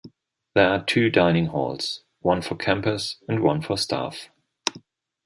There are two dining halls, one for campers and one for staff.